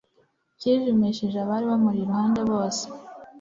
cyijimishije abari bamuri iruhande bose.